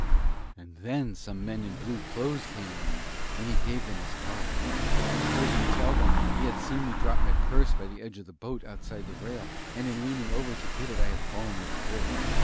"And then some men in blue clothes came around; and he gave them his card, and I heard him tell them he had seen me drop my purse on the edge of the boat outside the rail, and in leaning over to get it I had fallen overboard.